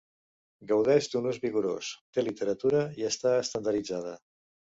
Gaudeix d'un ús vigorós, té literatura i està estandarditzada.